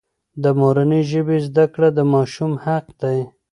د مورنۍ ژبې زده کړه د ماشوم حق دی.